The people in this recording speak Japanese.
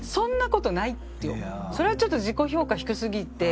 それはちょっと自己評価低すぎて。